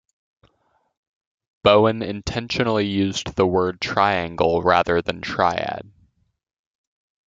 Bowen intentionally used the word "triangle" rather than "triad".